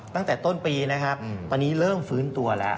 ตั้งแต่ต้นปีนะครับตอนนี้เริ่มฟื้นตัวแล้ว